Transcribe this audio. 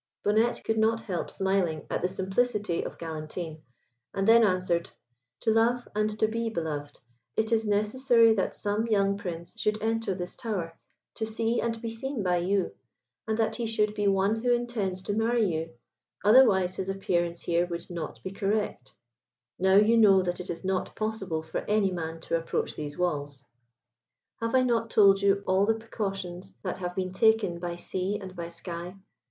Bonnette could not help smiling at the simplicity of Galantine, and then answered, "To love and to be beloved, it is necessary that some young Prince should enter this tower to see and be seen by you, and that he should be one who intends to marry you, otherwise his appearance here would not be correct; now you know that it is not possible for any man to approach these walls. Have I not told you all the precautions that have been taken by sea and by sky.